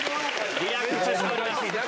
リラックスしております。